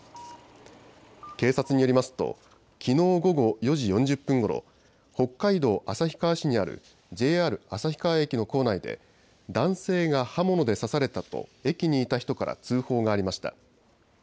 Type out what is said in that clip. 警察によりますときのう午後４時４０分ごろ、北海道旭川市にあるＪＲ旭川駅の構内で男性が刃物で刺されたと駅にいた人から通報がありました。